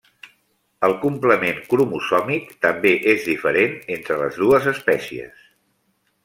El complement cromosòmic també és diferent entre les dues espècies.